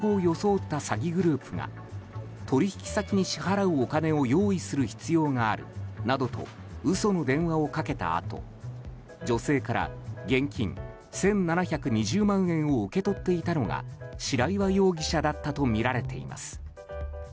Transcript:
今年１月、東京・練馬区の８０代女性に対し息子を装った詐欺グループが取引先に支払うお金を用意する必要があるなどと嘘の電話をかけたあと女性から現金１７２０万円を受け取っていたのが白岩容疑者だったとみられています。